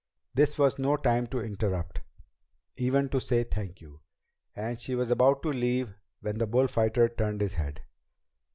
This was no time to interrupt, even to say "Thank you," and she was about to leave when the bullfighter turned his head.